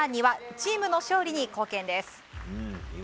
チームの勝利に貢献です。